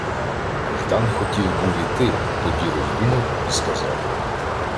Ждан хотів був іти, тоді роздумав і сказав: